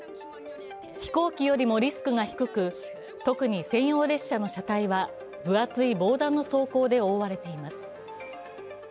飛行機よりもリスクが低く、特に専用列車の車体は、分厚い防弾の装甲で覆われています。